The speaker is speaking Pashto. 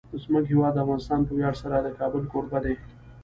زموږ هیواد افغانستان په ویاړ سره د کابل کوربه دی.